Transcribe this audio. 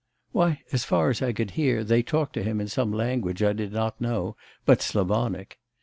'Why as far as I could hear, they talked to him in some language I did not know, but Slavonic...